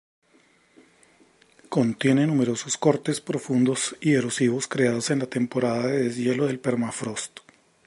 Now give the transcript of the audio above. Contiene numerosos cortes profundos y erosivos creados en la temporada de deshielo del permafrost.